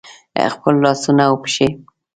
خپل لاسونه او پښې